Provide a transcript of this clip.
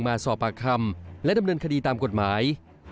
มาสอบปากคำและดำเนินคดีตามกฎหมาย